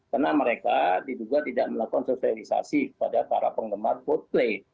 karena mereka diduga tidak melakukan sosialisasi kepada para penggemar vote play